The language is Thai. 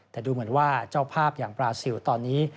แต่ดูเหมือนว่าเจ้าภาพอย่างบราซิลตอนนี้